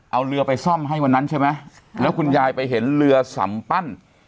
เอาเรือไปซ่อมให้วันนั้นใช่ไหมแล้วคุณยายไปเห็นเรือสัมปั้น